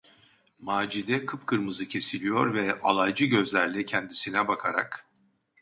Macide kıpkırmızı kesiliyor ve alaycı gözlerle kendisine bakarak: